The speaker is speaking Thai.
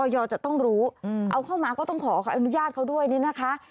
จะต้องรู้เอาเข้ามาก็ต้องขออนุญาตเขาด้วยนี่นะคะ